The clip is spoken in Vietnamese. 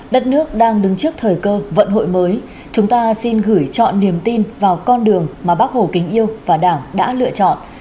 đất nước đang đứng trước thời cơ vận hội mới chúng ta xin gửi chọn niềm tin vào con đường mà bác hồ kính yêu và đảng đã lựa chọn